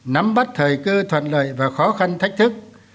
nắm bắt thời cơ thuận lợi và khó khăn thách thức